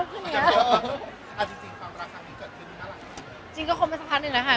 ก็น่าจะมีอันนี้ออกมา